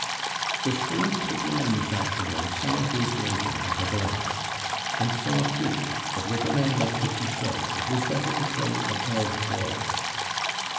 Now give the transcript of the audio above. The shrewd paper manufacturer saw his danger at a glance; and saw, too, that with a man like Petit Claud it was better to play above board.